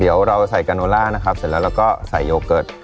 เดี๋ยวเราใส่กาโนล่านะครับเสร็จแล้วเราก็ใส่โยเกิร์ต